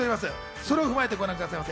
それを踏まえてご覧くださいませ。